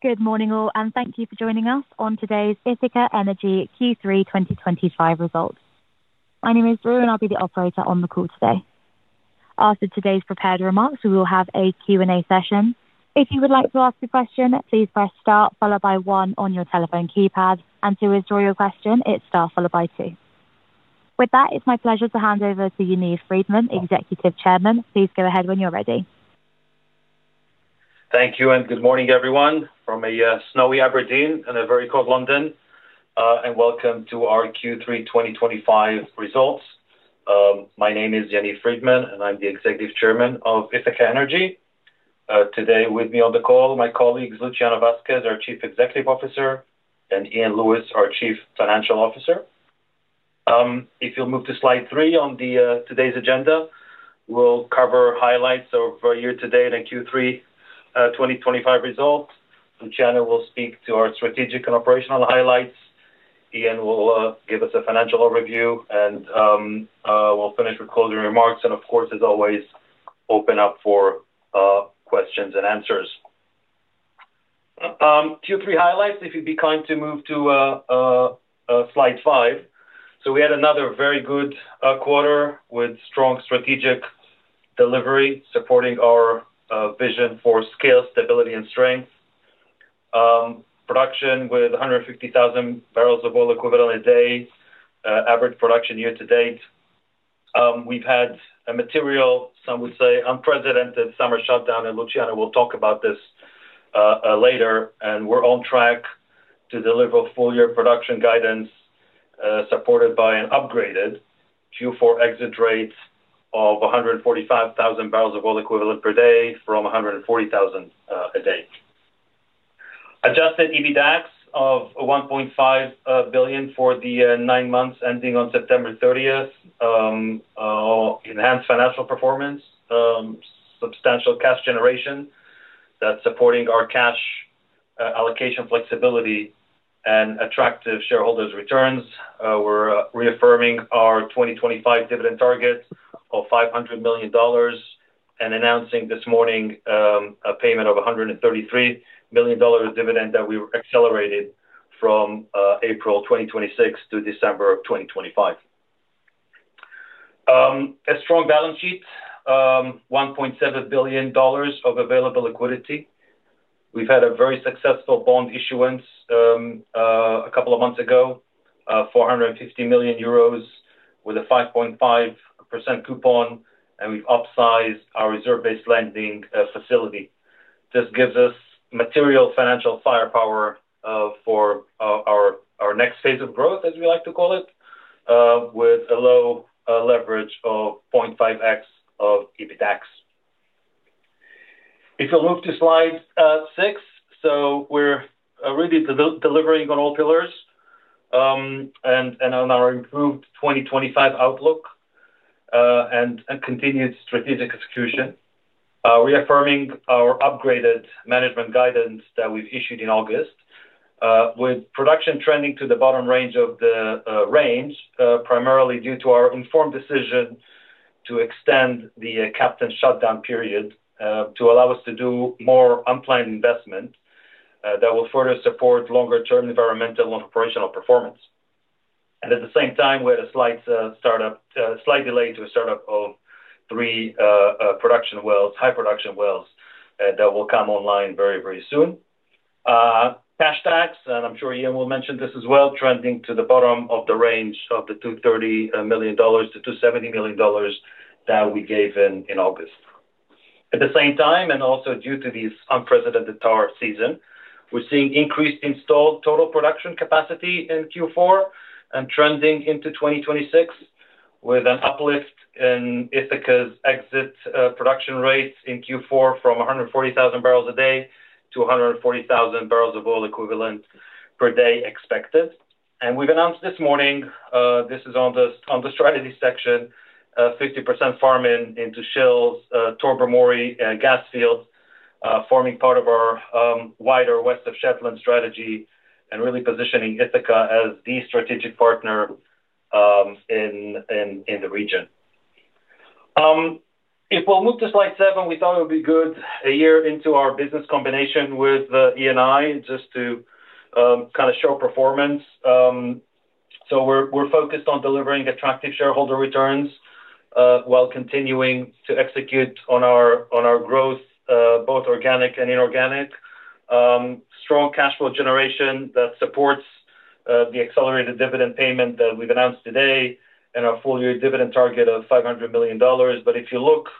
Good morning, all, and thank you for joining us on today's Ithaca Energy Q3 2025 results. My name is Rue, and I'll be the operator on the call today. After today's prepared remarks, we will have a Q&A session. If you would like to ask a question, please press star, followed by one on your telephone keypad, and to withdraw your question, it's star, followed by two. With that, it's my pleasure to hand over to Yaniv Friedman, Executive Chairman. Please go ahead when you're ready. Thank you, and good morning, everyone, from a snowy Aberdeen and a very cold London. Welcome to our Q3 2025 results. My name is Yaniv Friedman, and I'm the Executive Chairman of Ithaca Energy. Today, with me on the call, my colleagues Luciano Vasquez, our Chief Executive Officer, and Iain Lewis, our Chief Financial Officer. If you'll move to slide three on today's agenda, we'll cover highlights of year to date in the Q3 2025 results. Luciano will speak to our strategic and operational highlights. Iain will give us a financial overview, and we'll finish with closing remarks. Of course, as always, open up for questions and answers. Q3 highlights, if you'd be kind to move to slide five. We had another very good quarter with strong strategic delivery supporting our vision for scale, stability, and strength. Production with 150,000 barrels of oil equivalent a day, average production year to date. We have had a material, some would say, unprecedented summer shutdown, and Luciano will talk about this later. We are on track to deliver full-year production guidance supported by an upgraded Q4 exit rate of 145,000 barrels of oil equivalent per day from 140,000 a day. Adjusted EBITDAX of $1.5 billion for the nine months ending on September 30, enhanced financial performance, substantial cash generation that is supporting our cash allocation flexibility and attractive shareholders' returns. We are reaffirming our 2025 dividend target of $500 million and announcing this morning a payment of $133 million dividend that we have accelerated from April 2026 to December 2025. A strong balance sheet, $1.7 billion of available liquidity. We have had a very successful bond issuance a couple of months ago, 450 million euros with a 5.5% coupon, and we have upsized our reserve-based lending facility. This gives us material financial firepower for our next phase of growth, as we like to call it, with a low leverage of 0.5x of EBITDAX. If you'll move to slide six, we are really delivering on all pillars and on our improved 2025 outlook and continued strategic execution, reaffirming our upgraded management guidance that we issued in August, with production trending to the bottom range of the range, primarily due to our informed decision to extend the Captain shutdown period to allow us to do more unplanned investment that will further support longer-term environmental and operational performance. At the same time, we had a slight delay to a startup of three production wells, high production wells, that will come online very, very soon. Cash tax, and I'm sure Iain will mention this as well, trending to the bottom of the range of the $230 million-$270 million that we gave in August. At the same time, and also due to this unprecedented tariff season, we're seeing increased installed total production capacity in Q4 and trending into 2026, with an uplift in Ithaca's exit production rates in Q4 from 140,000 barrels a day to 140,000 barrels of oil equivalent per day expected. We have announced this morning, this is on the strategy section, 50% farm-in into Shell's Tobermory gas fields, forming part of our wider West of Shetland strategy and really positioning Ithaca as the strategic partner in the region. If we move to slide seven, we thought it would be good a year into our business combination with Eni just to kind of show performance. We're focused on delivering attractive shareholder returns while continuing to execute on our growth, both organic and inorganic. Strong cash flow generation that supports the accelerated dividend payment that we've announced today and our full-year dividend target of $500 million. If you look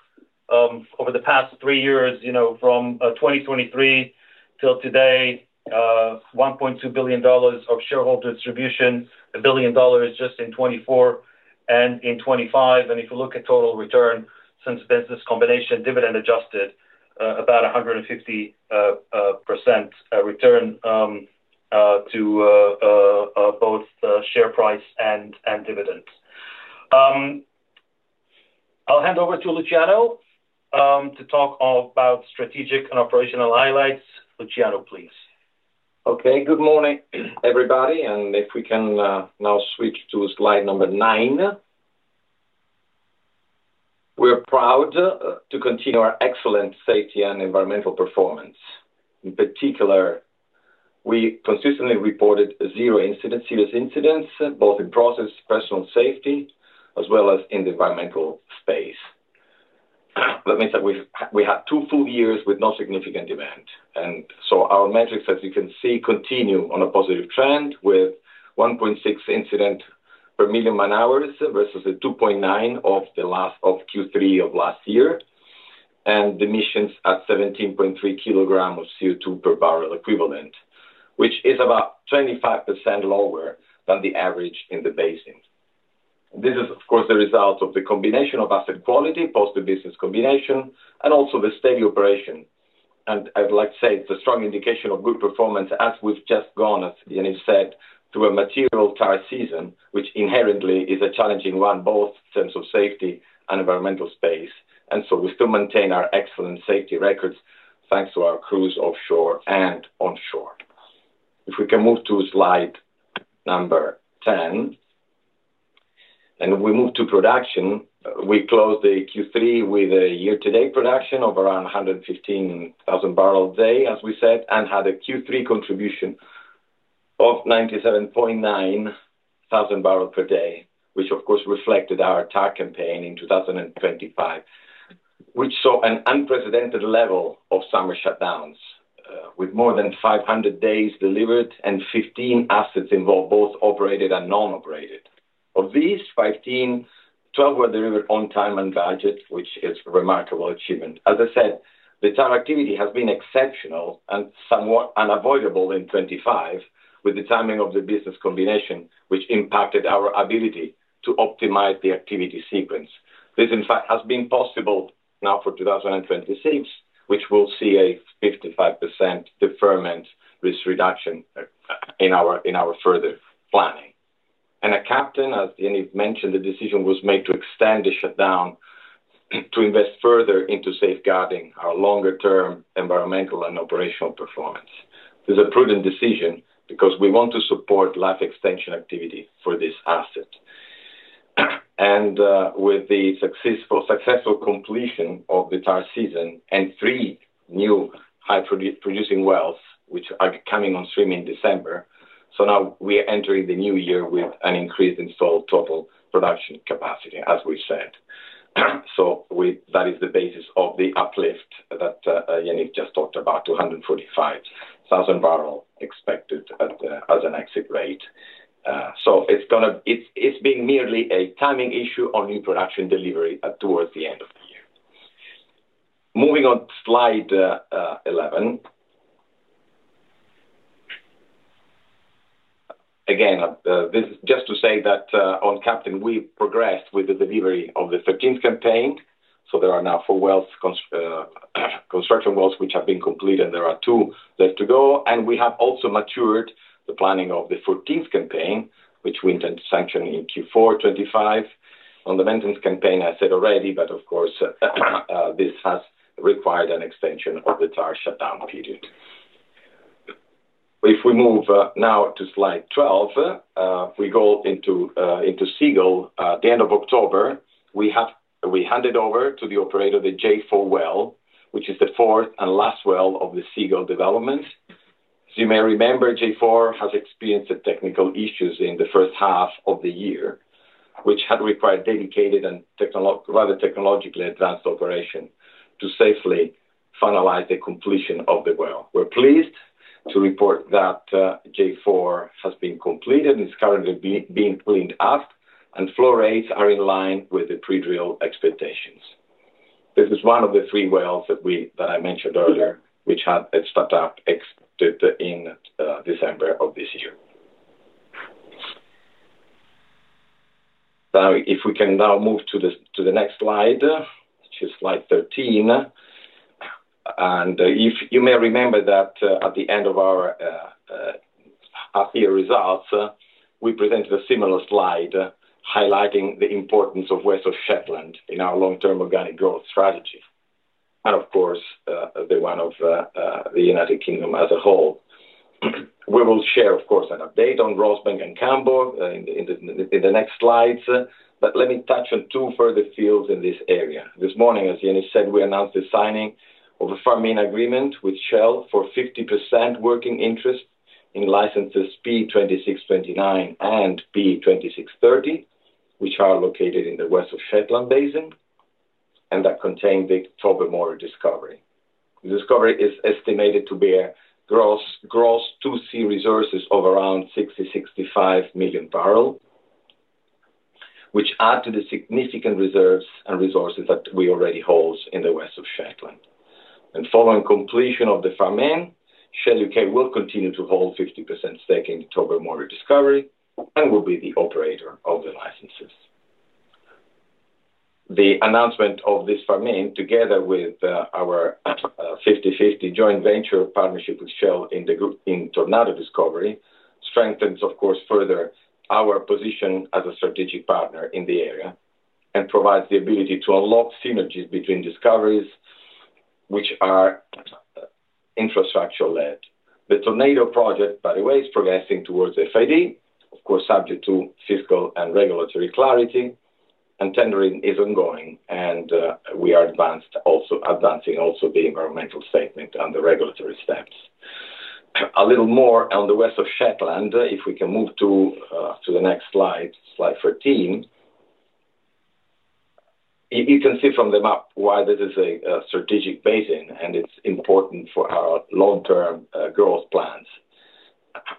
over the past three years, from 2023 till today, $1.2 billion of shareholder distribution, $1 billion just in 2024 and in 2025. If you look at total return since business combination dividend adjusted, about 150% return to both share price and dividends. I'll hand over to Luciano to talk about strategic and operational highlights. Luciano, please. Okay. Good morning, everybody. If we can now switch to slide number nine. We're proud to continue our excellent safety and environmental performance. In particular, we consistently reported zero serious incidents, both in process, professional safety, as well as in the environmental space. That means that we had two full years with no significant demand. Our metrics, as you can see, continue on a positive trend with 1.6 incidents per million man-hours versus the 2.9 of Q3 of last year and emissions at 17.3 kilograms of CO2 per barrel equivalent, which is about 25% lower than the average in the basin. This is, of course, the result of the combination of asset quality, post-business combination, and also the steady operation. I'd like to say it's a strong indication of good performance, as we've just gone, as Yaniv said, to a material tariff season, which inherently is a challenging one, both in terms of safety and environmental space. We still maintain our excellent safety records thanks to our crews offshore and onshore. If we can move to slide number 10, and we move to production, we closed the Q3 with a year-to-date production of around 115,000 barrels a day, as we said, and had a Q3 contribution of 97,900 barrels per day, which, of course, reflected our tariff campaign in 2025, which saw an unprecedented level of summer shutdowns, with more than 500 days delivered and 15 assets involved, both operated and non-operated. Of these 15, 12 were delivered on time and budget, which is a remarkable achievement. As I said, the tariff activity has been exceptional and somewhat unavoidable in 2025, with the timing of the business combination, which impacted our ability to optimize the activity sequence. This, in fact, has been possible now for 2026, which will see a 55% deferment risk reduction in our further planning. At Captain, as Yaniv mentioned, the decision was made to extend the shutdown to invest further into safeguarding our longer-term environmental and operational performance. This is a prudent decision because we want to support life extension activity for this asset. With the successful completion of the tariff season and three new high-producing wells, which are coming on stream in December, we are entering the new year with an increased installed total production capacity, as we said. That is the basis of the uplift that Yaniv just talked about, 245,000 barrels expected as an exit rate. It has been merely a timing issue on new production delivery towards the end of the year. Moving on to slide 11. Again, just to say that on Captain, we progressed with the delivery of the 13th campaign. There are now four construction wells which have been completed, and there are two left to go. We have also matured the planning of the 14th campaign, which we intend to sanction in Q4 2025. On the maintenance campaign, I said already, but of course, this has required an extension of the tariff shutdown period. If we move now to slide 12, we go into Seagull. At the end of October, we handed over to the operator the J4 well, which is the fourth and last well of the Seagull development. As you may remember, J4 has experienced technical issues in the first half of the year, which had required dedicated and rather technologically advanced operation to safely finalize the completion of the well. We're pleased to report that J4 has been completed and is currently being cleaned up, and flow rates are in line with the pre-drill expectations. This is one of the three wells that I mentioned earlier, which had its startup expected in December of this year. Now, if we can now move to the next slide, which is slide 13. You may remember that at the end of our half-year results, we presented a similar slide highlighting the importance of West of Shetland in our long-term organic growth strategy, and of course, the one of the United Kingdom as a whole. We will share, of course, an update on Rosebank and Cambo in the next slides, but let me touch on two further fields in this area. This morning, as Yaniv said, we announced the signing of a farm-in agreement with Shell for 50% working interest in licenses P2629 and P2630, which are located in the West of Shetland basin, and that contain the Tobermory discovery. The discovery is estimated to be a gross 2C resources of around 60-65 million barrels, which add to the significant reserves and resources that we already hold in the West of Shetland. Following completion of the farm-in, Shell UK will continue to hold a 50% stake in the Tobermory discovery and will be the operator of the licenses. The announcement of this farm-in, together with our 50/50 joint venture partnership with Shell in the Tornado discovery, strengthens, of course, further our position as a strategic partner in the area and provides the ability to unlock synergies between discoveries, which are infrastructure-led. The Tornado project, by the way, is progressing towards FID, of course, subject to fiscal and regulatory clarity, and tendering is ongoing, and we are advancing also the environmental statement and the regulatory steps. A little more on the West of Shetland, if we can move to the next slide, slide 13, you can see from the map why this is a strategic basin and it is important for our long-term growth plans.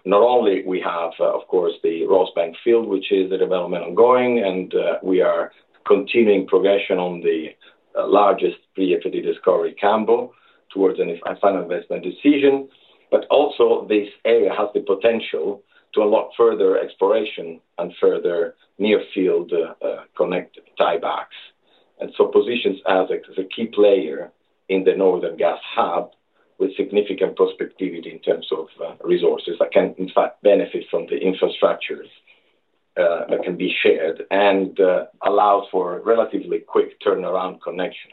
Not only do we have, of course, the Rosebank field, which is the development ongoing, and we are continuing progression on the largest pre-FID discovery, Cambo, towards an investment decision, but also this area has the potential to unlock further exploration and further near-field tiebacks. This positions us as a key player in the northern gas hub with significant prospectivity in terms of resources that can, in fact, benefit from the infrastructures that can be shared and allow for relatively quick turnaround connection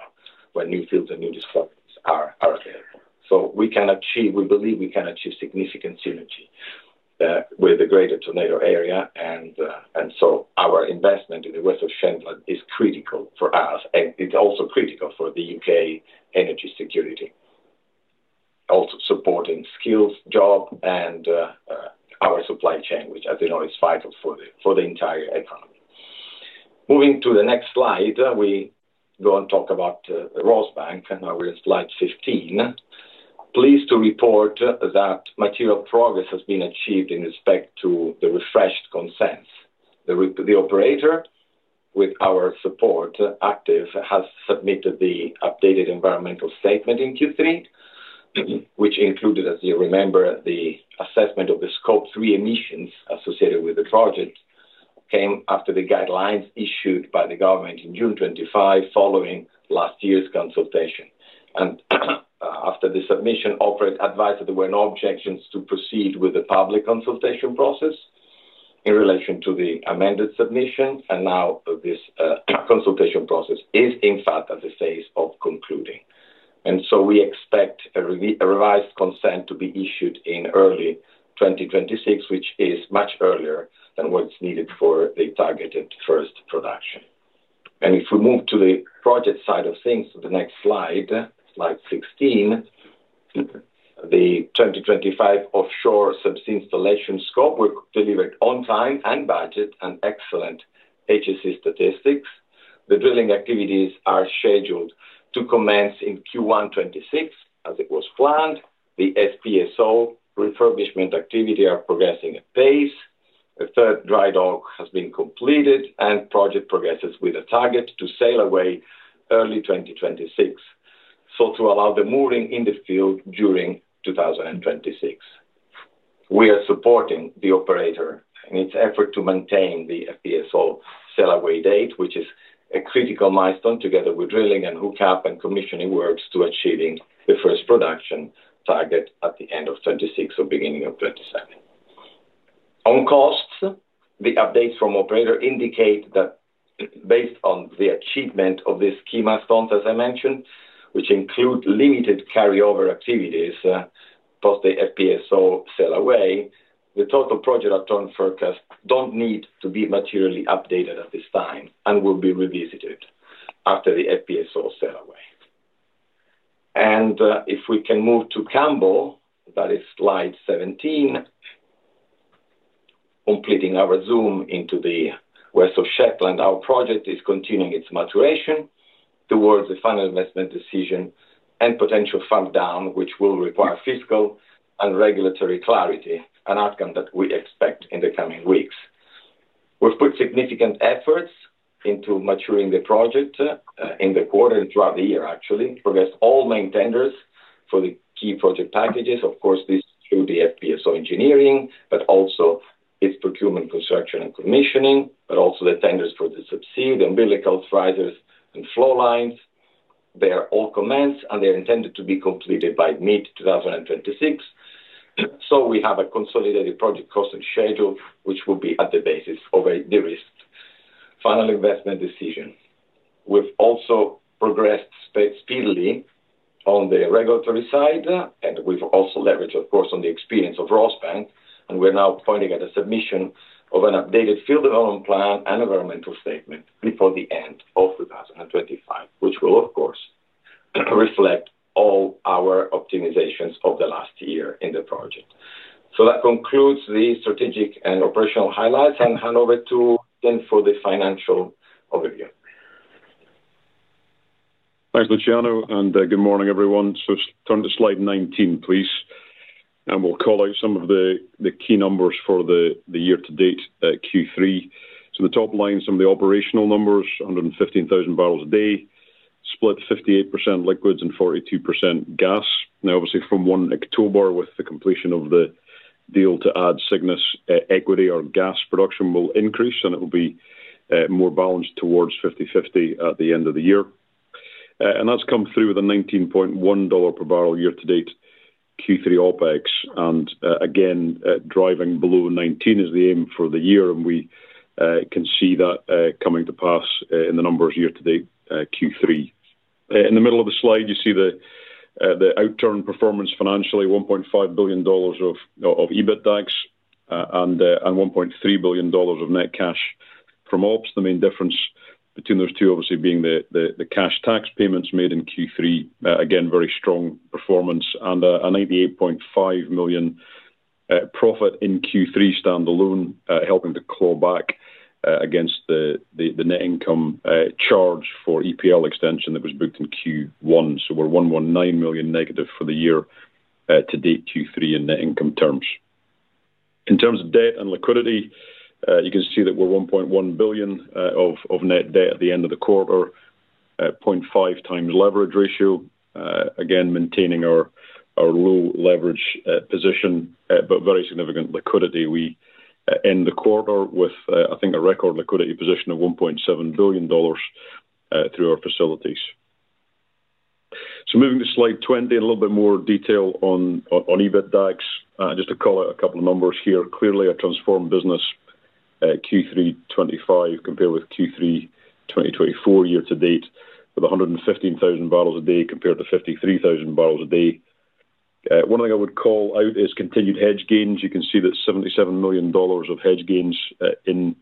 when new fields and new discoveries are available. We believe we can achieve significant synergy with the greater Tornado area, and our investment in the West of Shetland is critical for us, and it's also critical for U.K. energy security, also supporting skills, jobs, and our supply chain, which, as you know, is vital for the entire economy. Moving to the next slide, we go and talk about Rosebank, and now we're in slide 15. Pleased to report that material progress has been achieved in respect to the refreshed consents. The operator, with our support active, has submitted the updated environmental statement in Q3, which included, as you remember, the assessment of the scope 3 emissions associated with the project came after the guidelines issued by the government in June 2025 following last year's consultation. After the submission, operators advised that there were no objections to proceed with the public consultation process in relation to the amended submission, and now this consultation process is, in fact, at the phase of concluding. We expect a revised consent to be issued in early 2026, which is much earlier than what's needed for the targeted first production. If we move to the project side of things, to the next slide, slide 16, the 2025 offshore subsea installation scope will deliver on time and budget and excellent HSE statistics. The drilling activities are scheduled to commence in Q1 2026, as it was planned. The FPSO refurbishment activity is progressing at pace. A third dry dock has been completed, and project progresses with a target to sail away early 2026, so to allow the mooring in the field during 2026. We are supporting the operator in its effort to maintain the FPSO sail-away date, which is a critical milestone together with drilling and hookup and commissioning works to achieving the first production target at the end of 2026 or beginning of 2027. On costs, the updates from operator indicate that based on the achievement of the schema funds, as I mentioned, which include limited carryover activities post the FPSO sail-away, the total project return forecasts do not need to be materially updated at this time and will be revisited after the FPSO sail-away. If we can move to Cambo, that is slide 17, completing our zoom into the West of Shetland, our project is continuing its maturation towards the final investment decision and potential fund down, which will require fiscal and regulatory clarity, an outcome that we expect in the coming weeks. We have put significant efforts into maturing the project in the quarter and throughout the year, actually, for all main tenders for the key project packages. Of course, this through the FPSO engineering, but also its procurement, construction, and commissioning, but also the tenders for the subsea, the umbilicals, risers, and flow lines. They are all commenced, and they're intended to be completed by mid-2026. We have a consolidated project cost and schedule, which will be at the basis of the risk. Final investment decision. We've also progressed speedily on the regulatory side, and we've also leveraged, of course, on the experience of Rosebank, and we're now pointing at the submission of an updated field development plan and environmental statement before the end of 2025, which will, of course, reflect all our optimizations of the last year in the project. That concludes the strategic and operational highlights, and I'll hand over to Iain for the financial overview. Thanks, Luciano, and good morning, everyone. Turn to slide 19, please, and we'll call out some of the key numbers for the year-to-date Q3. The top line, some of the operational numbers, 115,000 barrels a day, split 58% liquids and 42% gas. Obviously, from 1 October, with the completion of the deal to add Cygnus equity, our gas production will increase, and it will be more balanced towards 50/50 at the end of the year. That's come through with a $19.1 per barrel year-to-date Q3 OPEX, and again, driving below 19 is the aim for the year, and we can see that coming to pass in the numbers year-to-date Q3. In the middle of the slide, you see the outturn performance financially, $1.5 billion of EBITDAX and $1.3 billion of net cash from ops. The main difference between those two, obviously, being the cash tax payments made in Q3, again, very strong performance, and a $98.5 million profit in Q3 standalone, helping to claw back against the net income charge for EPL extension that was booked in Q1. We are $119 million negative for the year-to-date Q3 in net income terms. In terms of debt and liquidity, you can see that we are $1.1 billion of net debt at the end of the quarter, 0.5 times leverage ratio, again, maintaining our low leverage position, but very significant liquidity. We end the quarter with, I think, a record liquidity position of $1.7 billion through our facilities. Moving to slide 20, a little bit more detail on EBITDAX, just to call out a couple of numbers here. Clearly, a transformed business Q3 2025 compared with Q3 2024 year-to-date with 115,000 barrels a day compared to 53,000 barrels a day. One thing I would call out is continued hedge gains. You can see that $77 million of hedge gains in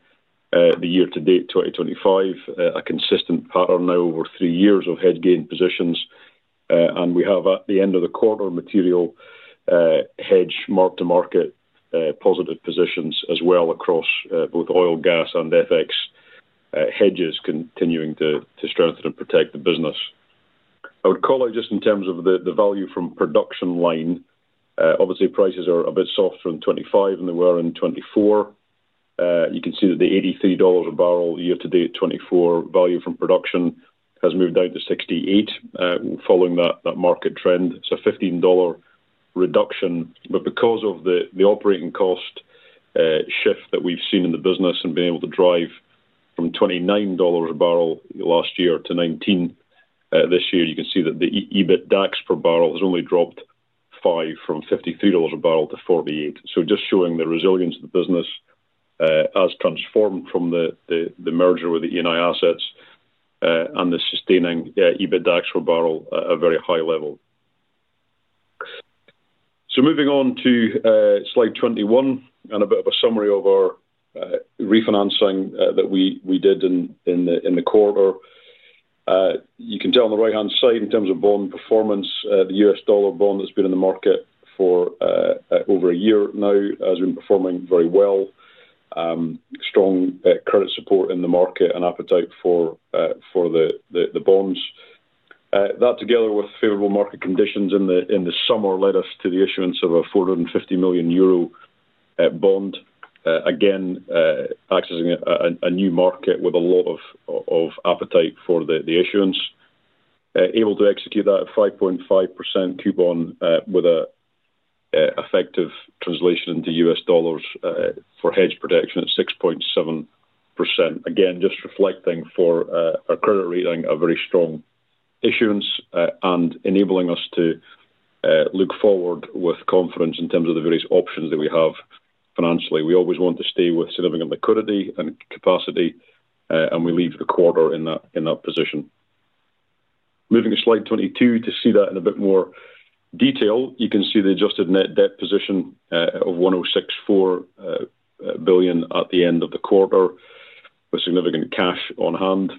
the year-to-date 2025, a consistent pattern now over three years of hedge gain positions. We have, at the end of the quarter, material hedge mark-to-market positive positions as well across both oil, gas, and FX hedges continuing to strengthen and protect the business. I would call out just in terms of the value from production line. Obviously, prices are a bit softer in 2025 than they were in 2024. You can see that the $83 a barrel year-to-date 2024 value from production has moved out to $68 following that market trend, so a $15 reduction. Because of the operating cost shift that we've seen in the business and been able to drive from $29 a barrel last year to $19 this year, you can see that the EBITDAX per barrel has only dropped 5 from $53 a barrel to $48. Just showing the resilience of the business as transformed from the merger with the Eni assets and the sustaining EBITDAX per barrel at a very high level. Moving on to slide 21 and a bit of a summary of our refinancing that we did in the quarter. You can tell on the right-hand side in terms of bond performance, the US dollar bond that's been in the market for over a year now has been performing very well. Strong credit support in the market and appetite for the bonds. That, together with favorable market conditions in the summer, led us to the issuance of a 450 million euro bond, again, accessing a new market with a lot of appetite for the issuance, able to execute that at 5.5% coupon with an effective translation into US dollars for hedge protection at 6.7%. Again, just reflecting for our credit rating, a very strong issuance and enabling us to look forward with confidence in terms of the various options that we have financially. We always want to stay with significant liquidity and capacity, and we leave the quarter in that position. Moving to slide 22 to see that in a bit more detail, you can see the adjusted net debt position of $1.064 billion at the end of the quarter with significant cash on hand.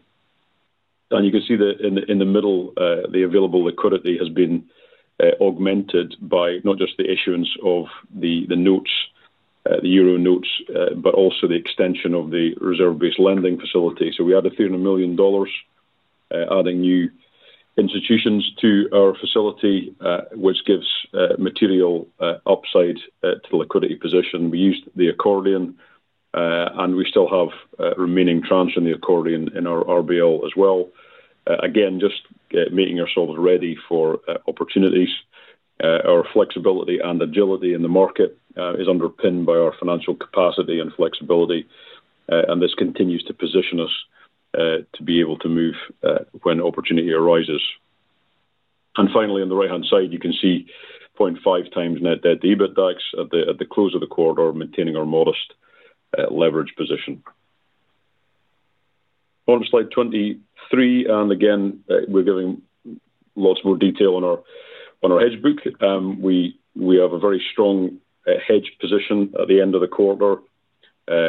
You can see that in the middle, the available liquidity has been augmented by not just the issuance of the notes, the euro notes, but also the extension of the reserve-based lending facility. We added $300 million, adding new institutions to our facility, which gives material upside to the liquidity position. We used the accordion, and we still have a remaining tranche in the accordion in our RBL as well. Again, just making ourselves ready for opportunities. Our flexibility and agility in the market is underpinned by our financial capacity and flexibility, and this continues to position us to be able to move when opportunity arises. Finally, on the right-hand side, you can see 0.5 times net debt to EBITDAX at the close of the quarter, maintaining our modest leverage position. On slide 23, again, we're giving lots more detail on our hedge book. We have a very strong hedge position at the end of the quarter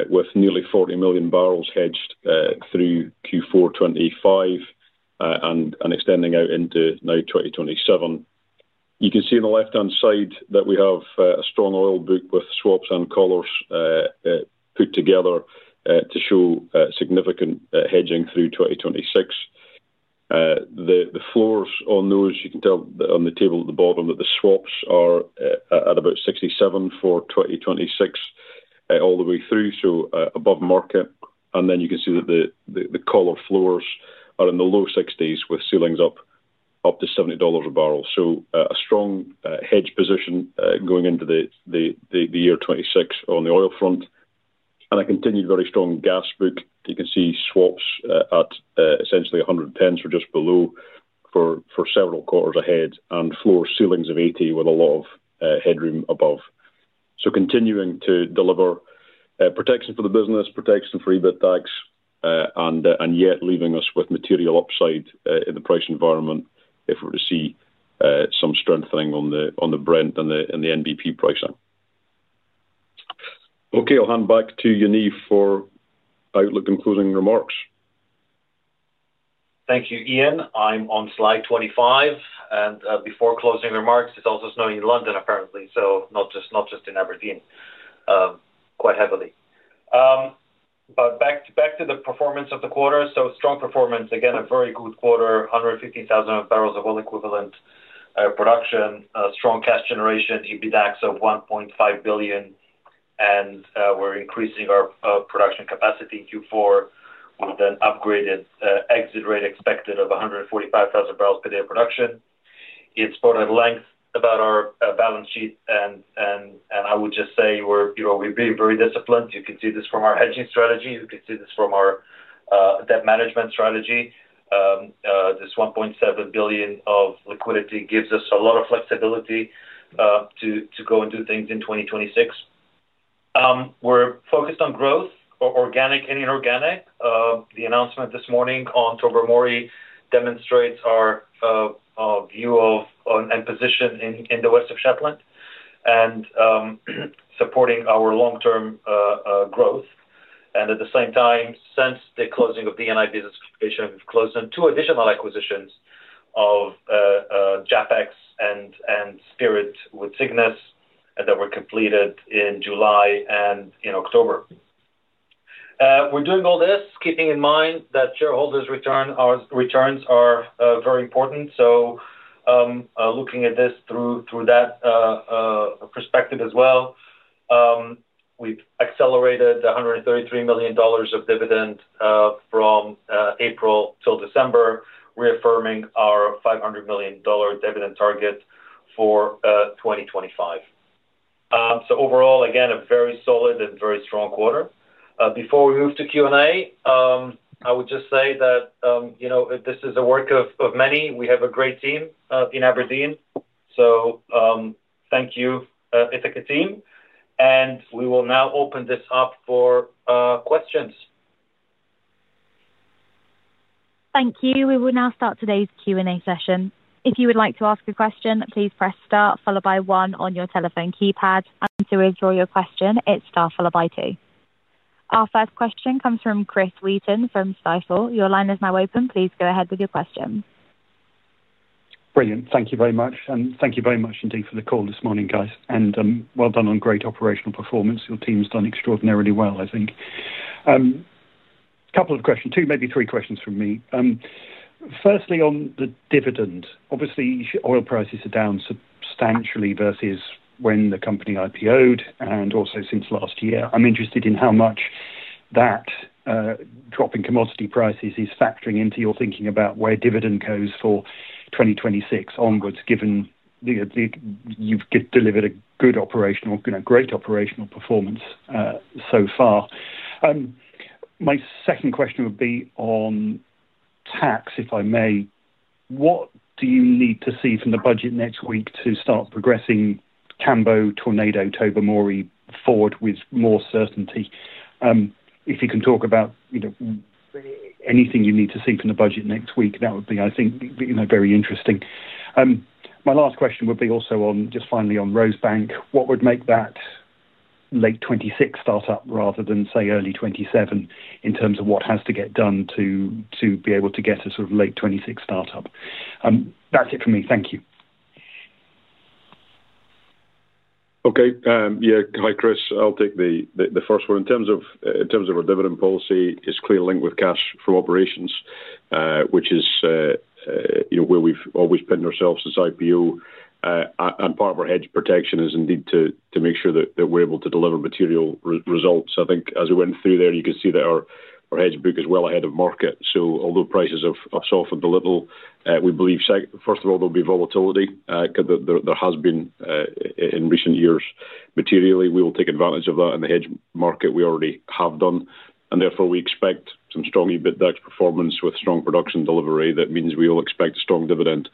with nearly 40 million barrels hedged through Q4 2025 and extending out into now 2027. You can see on the left-hand side that we have a strong oil book with swaps and collars put together to show significant hedging through 2026. The floors on those, you can tell on the table at the bottom that the swaps are at about $67 for 2026 all the way through, so above market. You can see that the collar floors are in the low $60s with ceilings up to $70 a barrel. A strong hedge position going into the year 2026 on the oil front. A continued very strong gas book. You can see swaps at essentially $110s or just below for several quarters ahead and floor ceilings of $80 with a lot of headroom above. Continuing to deliver protection for the business, protection for EBITDAX, and yet leaving us with material upside in the price environment if we were to see some strengthening on the Brent and the NBP pricing. Okay, I'll hand back to Yaniv for outlook and closing remarks. Thank you, Iain. I'm on slide 25. Before closing remarks, it's also snowing in London, apparently, so not just in Aberdeen. Quite heavily. Back to the performance of the quarter. Strong performance, again, a very good quarter, 150,000 barrels of oil equivalent production, strong cash generation, EBITDAX of $1.5 billion, and we're increasing our production capacity in Q4 with an upgraded exit rate expected of 145,000 barrels per day of production. It's brought at length about our balance sheet, and I would just say we've been very disciplined. You can see this from our hedging strategy. You can see this from our debt management strategy. This $1.7 billion of liquidity gives us a lot of flexibility to go and do things in 2026. We're focused on growth, organic and inorganic. The announcement this morning on Tobermory demonstrates our view and position in the West of Shetland and supporting our long-term growth. At the same time, since the closing of the Eni business, we have closed in two additional acquisitions of JAPEX and Spirit with Cygnus that were completed in July and in October. We are doing all this keeping in mind that shareholders' returns are very important. Looking at this through that perspective as well, we have accelerated $133 million of dividend from April till December, reaffirming our $500 million dividend target for 2025. Overall, again, a very solid and very strong quarter. Before we move to Q&A, I would just say that this is a work of many. We have a great team in Aberdeen. Thank you, Ithaca team, and we will now open this up for questions. Thank you. We will now start today's Q&A session. If you would like to ask a question, please press star followed by one on your telephone keypad, and to withdraw your question, hit star followed by two. Our first question comes from Chris Wheaton from Stifel. Your line is now open. Please go ahead with your question. Brilliant. Thank you very much. Thank you very much indeed for the call this morning, guys. Well done on great operational performance. Your team's done extraordinarily well, I think. A couple of questions, two, maybe three questions from me. Firstly, on the dividend, obviously, oil prices are down substantially versus when the company IPO'd and also since last year. I'm interested in how much that drop in commodity prices is factoring into your thinking about where dividend goes for 2026 onwards, given you've delivered a good operational, great operational performance so far. My second question would be on tax, if I may. What do you need to see from the budget next week to start progressing Cambo, Tornado, Tobermory forward with more certainty? If you can talk about anything you need to see from the budget next week, that would be, I think, very interesting. My last question would be also on just finally on Rosebank, what would make that late 2026 startup rather than, say, early 2027 in terms of what has to get done to be able to get a sort of late 2026 startup? That's it for me. Thank you. Okay. Yeah. Hi, Chris. I'll take the first one. In terms of our dividend policy, it's clearly linked with cash from operations, which is where we've always pinned ourselves since IPO. Part of our hedge protection is indeed to make sure that we're able to deliver material results. I think as we went through there, you can see that our hedge book is well ahead of market. Although prices have softened a little, we believe, first of all, there'll be volatility because there has been in recent years materially. We will take advantage of that in the hedge market we already have done. Therefore, we expect some strong EBITDAX performance with strong production delivery. That means we will expect a strong dividend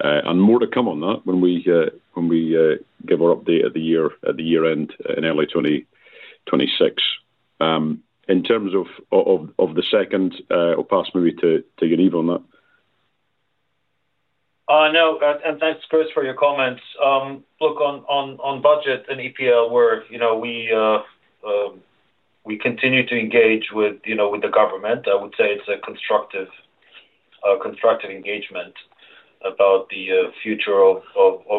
and more to come on that when we give our update at the year-end in early 2026. In terms of the second, I'll pass maybe to Yaniv on that. No. Thanks, Chris, for your comments. Look, on budget and EPL, we continue to engage with the government. I would say it's a constructive engagement about the future of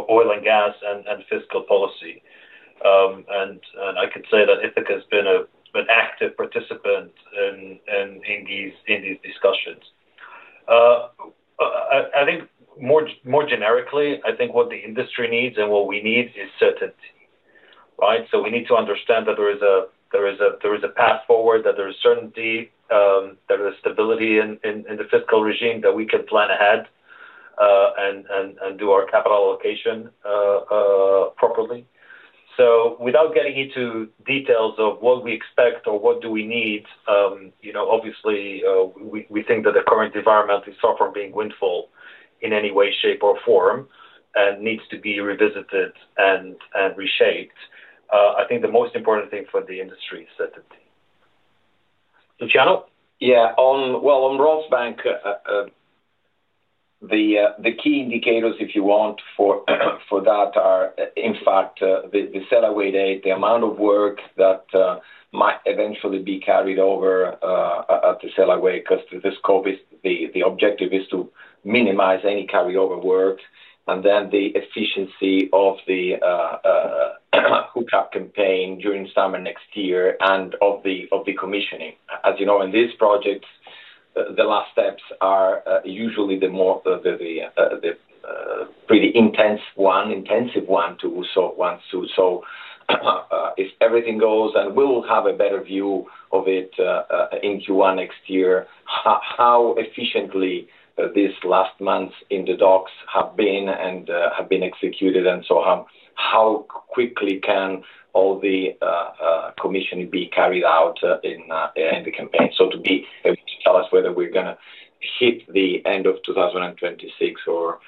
oil and gas and fiscal policy. I could say that Ithaca has been an active participant in these discussions. I think more generically, what the industry needs and what we need is certainty, right? We need to understand that there is a path forward, that there is certainty, that there is stability in the fiscal regime, that we can plan ahead and do our capital allocation properly. Without getting into details of what we expect or what we need, obviously, we think that the current environment is far from being windfall in any way, shape, or form and needs to be revisited and reshaped. I think the most important thing for the industry is certainty. Luciano? Yeah. On Rosebank, the key indicators, if you want, for that are, in fact, the sail away date, the amount of work that might eventually be carried over at the sail away because the scope is, the objective is to minimize any carryover work, and then the efficiency of the hookup campaign during summer next year and of the commissioning. As you know, in these projects, the last steps are usually the pretty intense one, intensive one too. If everything goes and we will have a better view of it in Q1 next year, how efficiently these last months in the docks have been and have been executed, and how quickly can all the commissioning be carried out in the campaign, to be able to tell us whether we are going to hit the end of 2026 or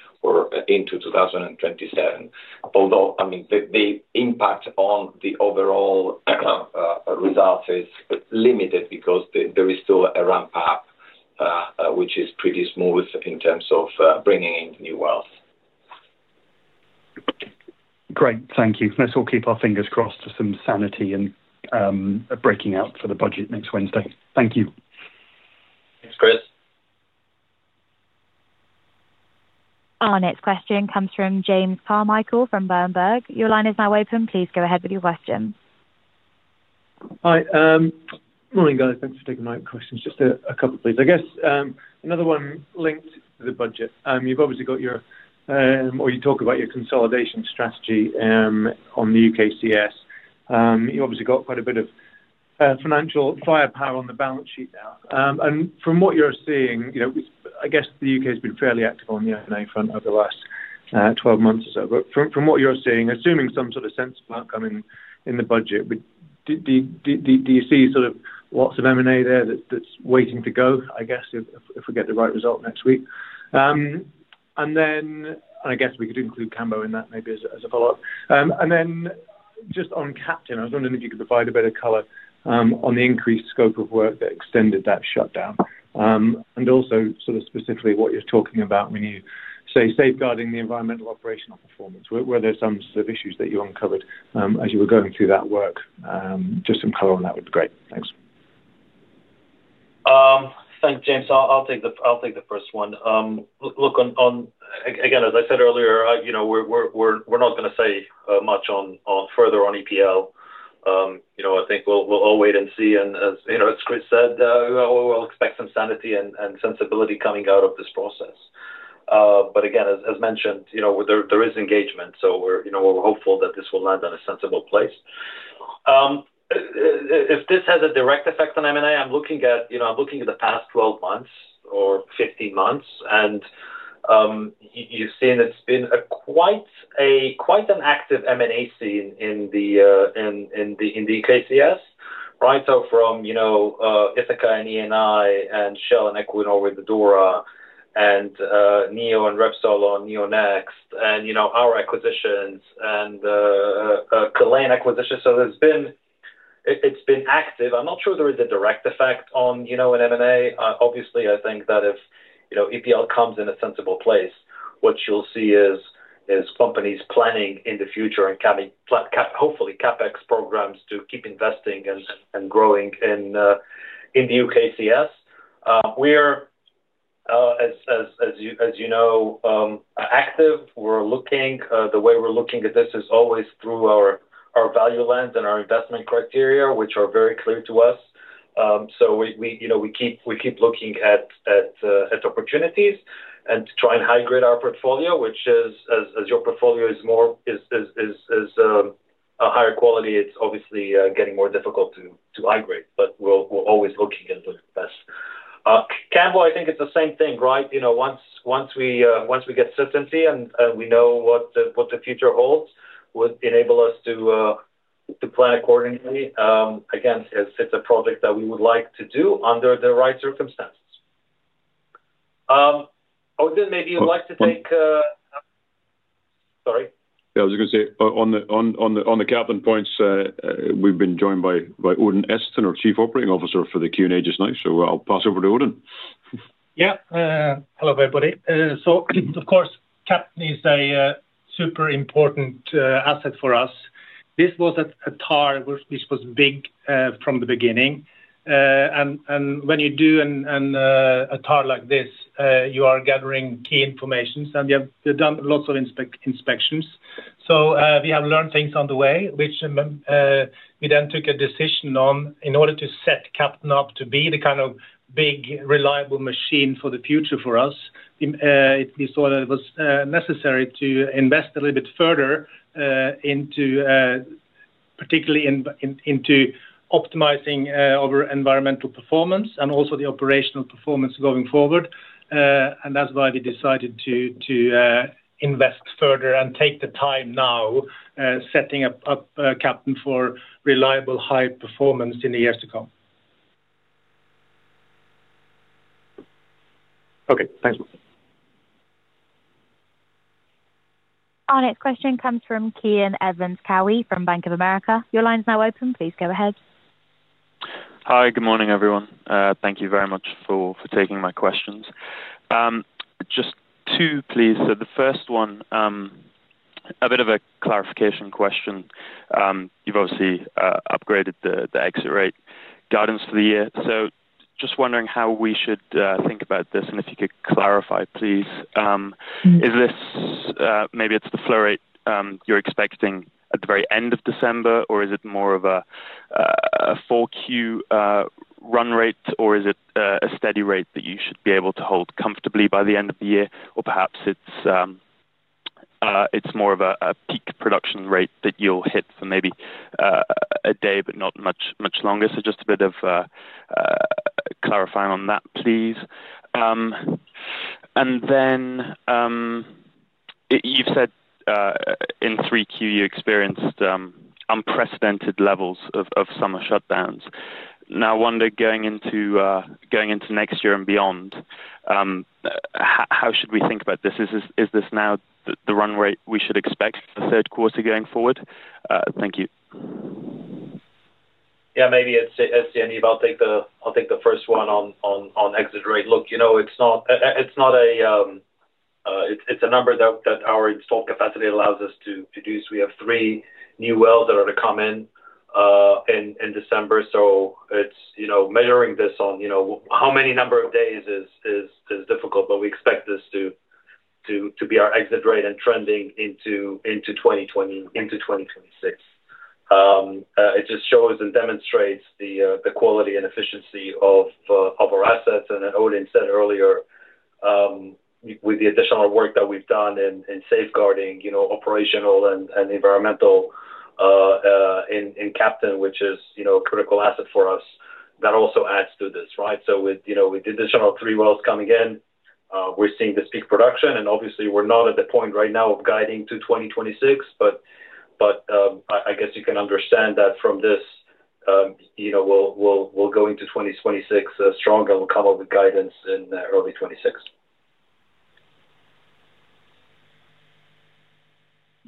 into 2027. Although, I mean, the impact on the overall result is limited because there is still a ramp up, which is pretty smooth in terms of bringing in new wells. Great. Thank you. Let's all keep our fingers crossed for some sanity and a breaking out for the budget next Wednesday. Thank you. Thanks, Chris. Our next question comes from James Carmichael from Berenberg. Your line is now open. Please go ahead with your question. Hi. Morning, guys. Thanks for taking my questions. Just a couple, please. I guess another one linked to the budget. You've obviously got your, or you talk about your consolidation strategy on the UKCS. You've obviously got quite a bit of financial firepower on the balance sheet now. From what you're seeing, I guess the U.K. has been fairly active on the M&A front over the last 12 months or so. From what you're seeing, assuming some sort of sense of outcome in the budget, do you see sort of lots of M&A there that's waiting to go, I guess, if we get the right result next week? I guess we could include Cambo in that maybe as a follow-up. Just on Captain, I was wondering if you could provide a bit of color on the increased scope of work that extended that shutdown. Also, sort of specifically what you're talking about when you say safeguarding the environmental operational performance, were there some sort of issues that you uncovered as you were going through that work? Just some color on that would be great. Thanks. Thanks, James. I'll take the first one. Look, again, as I said earlier, we're not going to say much further on EPL. I think we'll all wait and see. As Chris said, we'll expect some sanity and sensibility coming out of this process. Again, as mentioned, there is engagement, so we're hopeful that this will land in a sensible place. If this has a direct effect on M&A, I'm looking at the past 12 months or 15 months, and you've seen it's been quite an active M&A scene in the UKCS, right? From Ithaca and Eni and Shell and Equinor with Adora and NEO and Repsol on NeoNext and our acquisitions and Killeen acquisitions. It's been active. I'm not sure there is a direct effect on an M&A. Obviously, I think that if EPL comes in a sensible place, what you'll see is companies planning in the future and having hopefully CapEx programs to keep investing and growing in the UKCS. We are, as you know, active. The way we're looking at this is always through our value lens and our investment criteria, which are very clear to us. So we keep looking at opportunities and try and high-grade our portfolio, which is, as your portfolio is a higher quality, it's obviously getting more difficult to high-grade, but we're always looking at the best. Cambo, I think it's the same thing, right? Once we get certainty and we know what the future holds, it would enable us to plan accordingly. Again, it's a project that we would like to do under the right circumstances. Odin, maybe you'd like to take—sorry. Yeah, I was going to say, on the Captain points, we've been joined by Odin Esten, our Chief Operating Officer for the Q&A just now. I will pass over to Odin. Yeah. Hello, everybody. Of course, Captain is a super important asset for us. This was a tower which was big from the beginning. When you do a tower like this, you are gathering key information, and you have done lots of inspections. We have learned things on the way, which we then took a decision on in order to set Captain up to be the kind of big, reliable machine for the future for us. We saw that it was necessary to invest a little bit further, particularly into optimizing our environmental performance and also the operational performance going forward. That is why we decided to invest further and take the time now setting up Captain for reliable, high performance in the years to come. Okay. Thanks. Our next question comes from Cian Evans-Cowie from Bank of America. Your line is now open. Please go ahead. Hi. Good morning, everyone. Thank you very much for taking my questions. Just two, please. The first one, a bit of a clarification question. You've obviously upgraded the exit rate guidance for the year. Just wondering how we should think about this, and if you could clarify, please. Maybe it's the flow rate you're expecting at the very end of December, or is it more of a Q4 run rate, or is it a steady rate that you should be able to hold comfortably by the end of the year? Or perhaps it's more of a peak production rate that you'll hit for maybe a day, but not much longer. Just a bit of clarifying on that, please. Then you've said in Q3 you experienced unprecedented levels of summer shutdowns. I wonder, going into next year and beyond, how should we think about this? Is this now the run rate we should expect for the third quarter going forward? Thank you. Yeah. Maybe as you know, I'll take the first one on exit rate. Look, it's not a—it's a number that our installed capacity allows us to do. We have three new wells that are to come in in December. Measuring this on how many number of days is difficult, but we expect this to be our exit rate and trending into 2026. It just shows and demonstrates the quality and efficiency of our assets. As Odin said earlier, with the additional work that we've done in safeguarding operational and environmental in Captain, which is a critical asset for us, that also adds to this, right? With the additional three wells coming in, we're seeing this peak production. Obviously, we're not at the point right now of guiding to 2026, but I guess you can understand that from this, we'll go into 2026 strong and we'll come up with guidance in early 2026.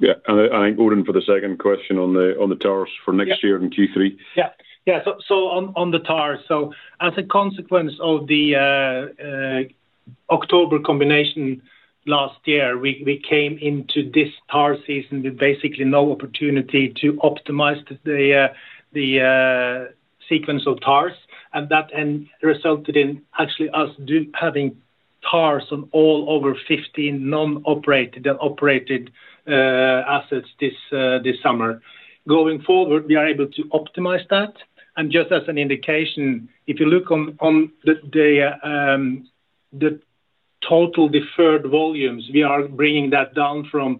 Yeah. I think, Odin, for the second question on the towers for next year in Q3. Yeah. Yeah. On the turnarounds, as a consequence of the October combination last year, we came into this turnaround season with basically no opportunity to optimize the sequence of turnarounds. That then resulted in us having turnarounds on all over 15 non-operated and operated assets this summer. Going forward, we are able to optimize that. Just as an indication, if you look at the total deferred volumes, we are bringing that down from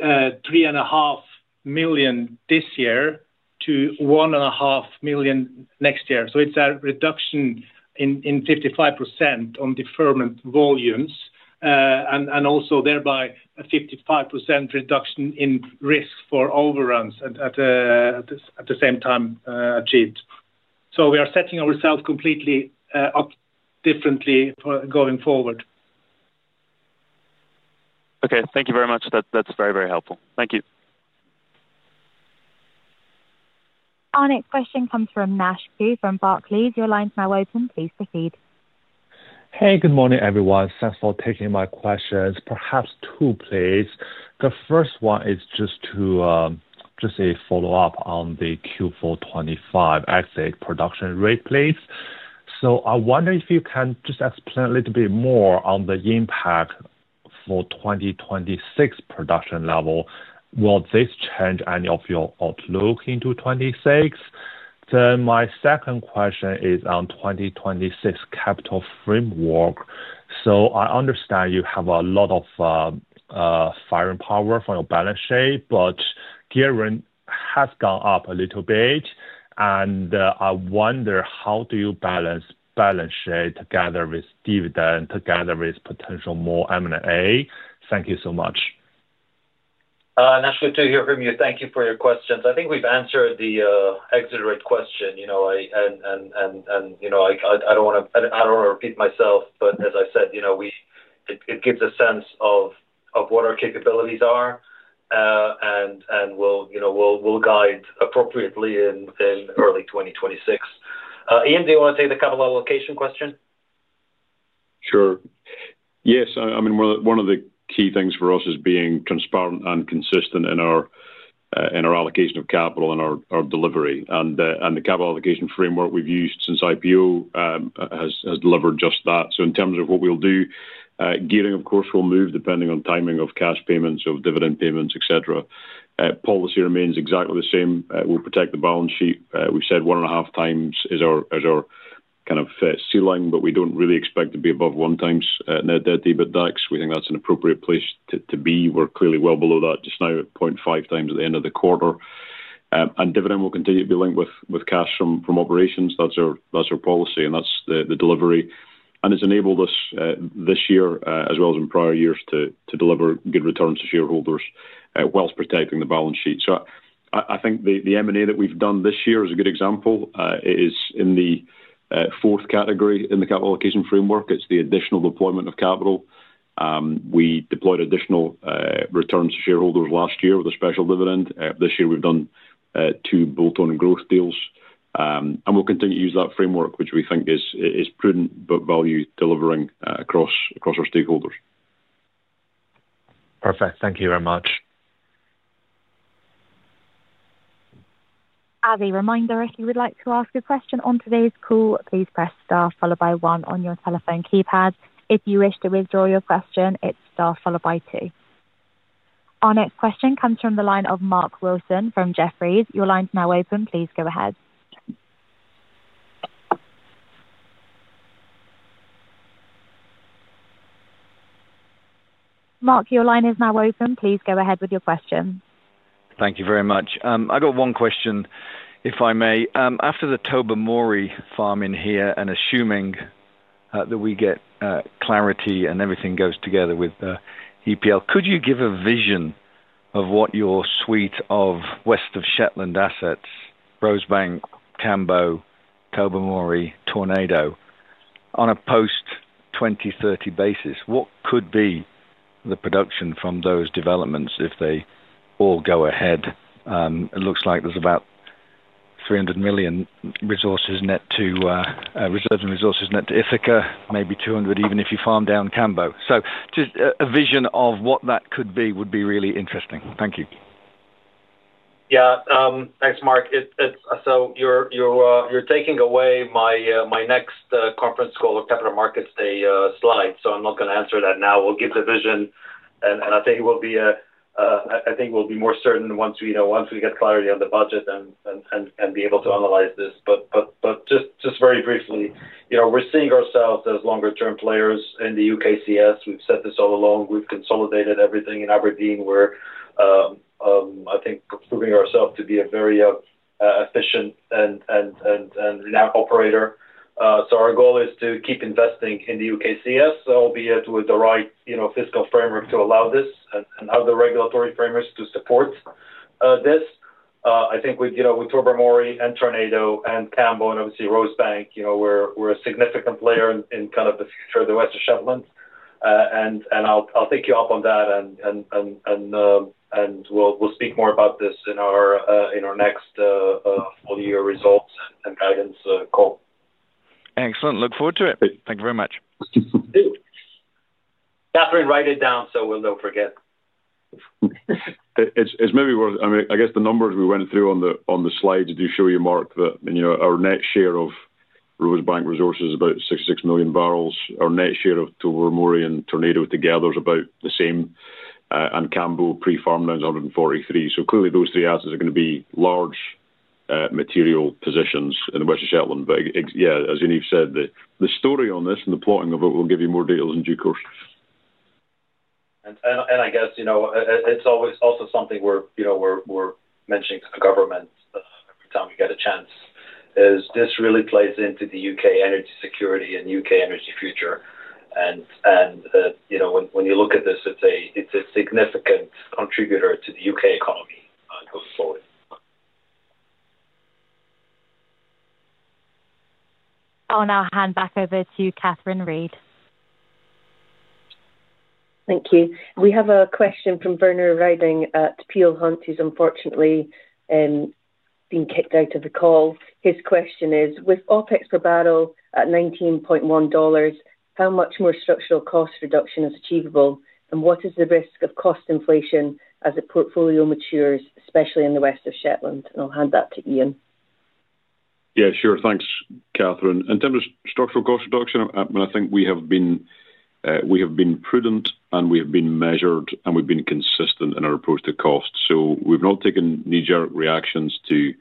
3.5 million this year to 1.5 million next year. It is a reduction of 55% on deferment volumes and also thereby a 55% reduction in risk for overruns at the same time achieved. We are setting ourselves completely up differently going forward. Okay. Thank you very much. That's very, very helpful. Thank you. Our next question comes from Mashke from Barclays. Your line is now open. Please proceed. Hey, good morning, everyone. Thanks for taking my questions. Perhaps two, please. The first one is just a follow-up on the Q4 2025 exit production rate, please. I wonder if you can just explain a little bit more on the impact for 2026 production level. Will this change any of your outlook into 2026? My second question is on 2026 capital framework. I understand you have a lot of firing power for your balance sheet, but gearing has gone up a little bit. I wonder, how do you balance balance sheet together with dividend, together with potential more M&A? Thank you so much. Nasha, good to hear from you. Thank you for your questions. I think we've answered the exit rate question. I don't want to repeat myself, but as I said, it gives a sense of what our capabilities are and will guide appropriately in early 2026. Iain, do you want to take the capital allocation question? Sure. Yes. I mean, one of the key things for us is being transparent and consistent in our allocation of capital and our delivery. The capital allocation framework we've used since IPO has delivered just that. In terms of what we'll do, gearing, of course, will move depending on timing of cash payments, of dividend payments, etc. Policy remains exactly the same. We'll protect the balance sheet. We've said one and a half times is our kind of ceiling, but we don't really expect to be above one times net debt EBITDAX. We think that's an appropriate place to be. We're clearly well below that just now at 0.5 times at the end of the quarter. Dividend will continue to be linked with cash from operations. That's our policy, and that's the delivery. It has enabled us this year, as well as in prior years, to deliver good returns to shareholders whilst protecting the balance sheet. I think the M&A that we've done this year is a good example. It is in the fourth category in the capital allocation framework. It is the additional deployment of capital. We deployed additional returns to shareholders last year with a special dividend. This year, we've done two bolt-on growth deals. We will continue to use that framework, which we think is prudent but value-delivering across our stakeholders. Perfect. Thank you very much. As a reminder, if you would like to ask a question on today's call, please press star followed by one on your telephone keypad. If you wish to withdraw your question, it's star followed by two. Our next question comes from the line of Mark Wilson from Jefferies. Your line is now open. Please go ahead. Mark, your line is now open. Please go ahead with your question. Thank you very much. I got one question, if I may. After the Tobermory farm-in here and assuming that we get clarity and everything goes together with EPL, could you give a vision of what your suite of West of Shetland assets, Rosebank, Cambo, Tobermory, Tornado, on a post-2030 basis, what could be the production from those developments if they all go ahead? It looks like there's about 300 million resources net to reserves and resources net to Ithaca, maybe 200 even if you farm down Cambo. Just a vision of what that could be would be really interesting. Thank you. Yeah. Thanks, Mark. You're taking away my next conference call or Capital Markets Day slide, so I'm not going to answer that now. We'll give the vision, and I think it will be a, I think we'll be more certain once we get clarity on the budget and be able to analyze this. Just very briefly, we're seeing ourselves as longer-term players in the UKCS. We've said this all along. We've consolidated everything in Aberdeen. We're, I think, proving ourselves to be a very efficient and renowned operator. Our goal is to keep investing in the UKCS, albeit with the right fiscal framework to allow this and other regulatory frameworks to support this. I think with Tobermory and Tornado and Cambo and obviously Rosebank, we're a significant player in kind of the future of the West of Shetland. I'll take you up on that, and we'll speak more about this in our next full-year results and guidance call. Excellent. Look forward to it. Thank you very much. Kathryn, write it down so we'll not forget. It's maybe worth—I mean, I guess the numbers we went through on the slide do show you, Mark, that our net share of Rosebank resources is about 66 million barrels. Our net share of Tobermory and Tornado together is about the same, and Cambo pre-farm now is 143. Clearly, those three assets are going to be large material positions in the West of Shetland. Yeah, as Iain said, the story on this and the plotting of it will give you more details in due course. I guess it's always also something we're mentioning to the government every time we get a chance. This really plays into the U.K. energy security and U.K. energy future. When you look at this, it's a significant contributor to the U.K. economy going forward. I'll now hand back over to Kathryn Reid. Thank you. We have a question from Werner Riding at Peel Hunt who has unfortunately been kicked out of the call. His question is, "With OPEX per barrel at $19.1, how much more structural cost reduction is achievable, and what is the risk of cost inflation as the portfolio matures, especially in the West of Shetland?" I will hand that to Iain. Yeah. Sure. Thanks, Kathryn. In terms of structural cost reduction, I mean, I think we have been prudent, and we have been measured, and we've been consistent in our approach to cost. We have not taken knee-jerk reactions to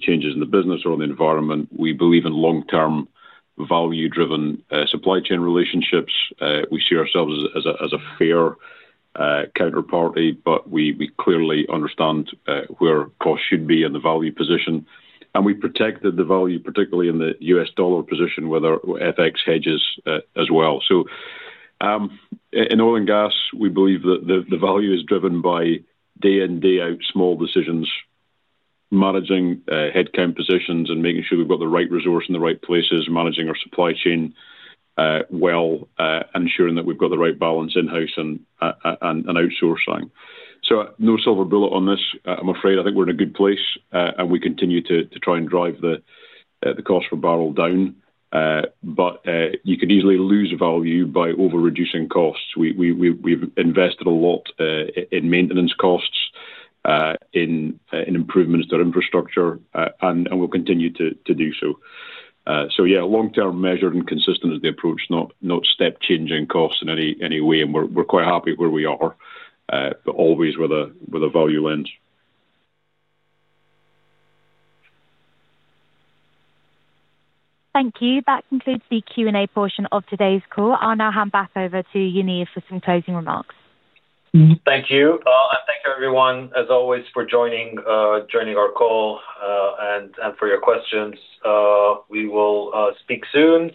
changes in the business or in the environment. We believe in long-term value-driven supply chain relationships. We see ourselves as a fair counterparty, but we clearly understand where cost should be in the value position. We have protected the value, particularly in the US dollar position with our FX hedges as well. In oil and gas, we believe that the value is driven by day-in and day-out small decisions, managing headcount positions and making sure we have got the right resource in the right places, managing our supply chain well, ensuring that we have got the right balance in-house and outsourcing. There is no silver bullet on this. I'm afraid I think we're in a good place, and we continue to try and drive the cost per barrel down. You could easily lose value by over-reducing costs. We've invested a lot in maintenance costs, in improvements to our infrastructure, and we'll continue to do so. Yeah, long-term, measured, and consistent is the approach, not step-changing costs in any way. We're quite happy where we are, but always with a value lens. Thank you. That concludes the Q&A portion of today's call. I'll now hand back over to Yaniv for some closing remarks. Thank you. Thank you, everyone, as always, for joining our call and for your questions. We will speak soon,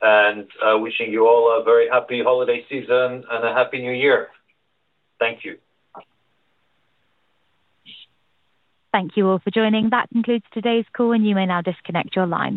and wishing you all a very happy holiday season and a happy new year. Thank you. Thank you all for joining. That concludes today's call, and you may now disconnect your line.